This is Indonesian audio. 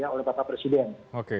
oleh bapak presiden oke